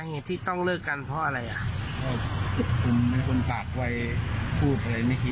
บ่อยครับเนาะมันเลือกกันเกี่ยวกันไปกี่เดือนแล้วมีไหม